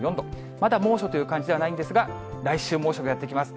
まだ猛暑という感じではないんですが、来週、猛暑がやって来ます。